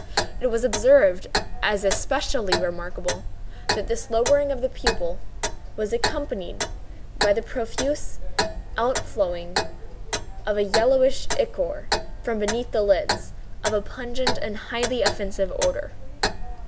It was observed, as especially remarkable, that this lowering of the pupil was accompanied by the profuse out flowing of a yellowish ichor (from beneath the lids) of a pungent and highly offensive odor.